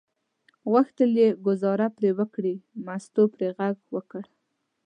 غوښتل یې ګوزار پرې وکړي، مستو پرې غږ وکړ.